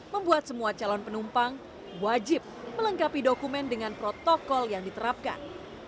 membuat semua calon penumpang wajib melengkapi dokumen dengan protokol yang diterapkan